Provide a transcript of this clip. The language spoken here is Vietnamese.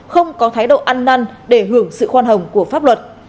không có thái độ ăn năn để hưởng sự khoan hồng của pháp luật